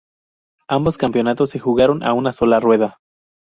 Ambos campeonatos se jugaron a una sola rueda.